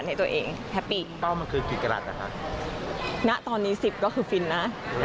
จริงครับป่าวเขาหลอกพี่ป่ะ